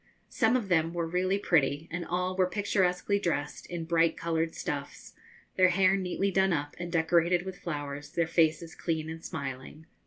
Some of them were really pretty, and all were picturesquely dressed in bright coloured stuffs, their hair neatly done up and decorated with flowers, their faces clean and smiling.